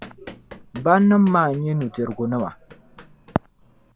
Bannim’ maa n-nyɛ nudirgu nima.